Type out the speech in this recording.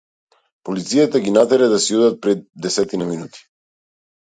Полицијата ги натера да си одат пред десетина минути.